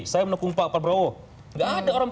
saya pendukung pak prabowo gak ada orang